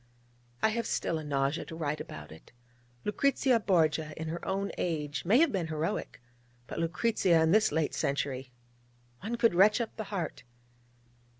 I have still a nausea to write about it! Lucrezia Borgia in her own age may have been heroic: but Lucrezia in this late century! One could retch up the heart...